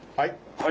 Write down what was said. はい。